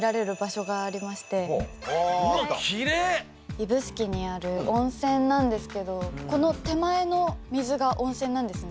指宿にある温泉なんですけどこの手前の水が温泉なんですね。